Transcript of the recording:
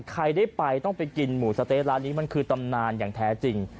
ใครได้ไปต้องไปกินหมูสะเต๊ะร้านนี้มันคือตำนานอย่างแท้จริง